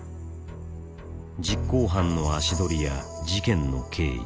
実行犯の足取りや事件の経緯